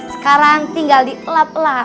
sekarang tinggal dikelap